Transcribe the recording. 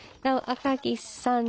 赤木さん